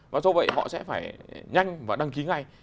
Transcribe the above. và do vậy họ sẽ phải nhanh và đăng ký ngay